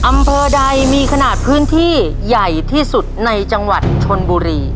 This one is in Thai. อำเภอใดมีขนาดพื้นที่ใหญ่ที่สุดในจังหวัดชนบุรี